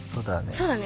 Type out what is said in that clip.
そうだね。